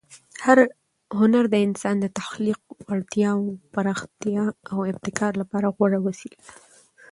هنر د انسان د تخلیق وړتیاوو د پراختیا او ابتکار لپاره غوره وسیله ده.